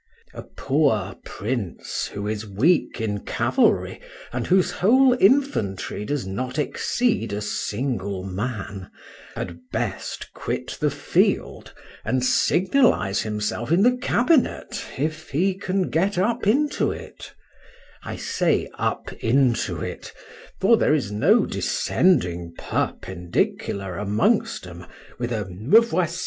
A poor prince who is weak in cavalry, and whose whole infantry does not exceed a single man, had best quit the field, and signalize himself in the cabinet, if he can get up into it;—I say up into it—for there is no descending perpendicular amongst 'em with a "Me voici!